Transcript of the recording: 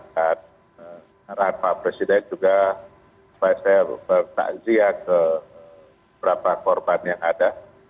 arahan pak presiden juga supaya saya bertakziah ke berapa korban yang ada